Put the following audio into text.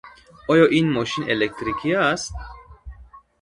Оё ин мошин электрикӣ аст?